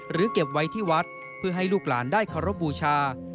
เก็บไว้ที่วัดเพื่อให้ลูกหลานได้เคารพบูชา